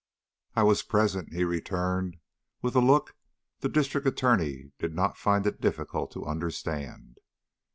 "I was present," he returned, with a look the District Attorney did not find it difficult to understand.